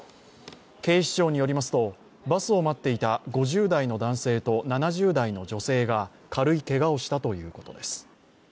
警視庁によりますと、バスを待っていた５０代の男性と７０代の女性が、軽いけがをしたということです。